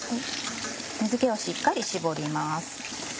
水気をしっかり絞ります。